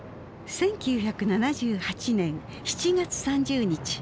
１９７８年７月３０日。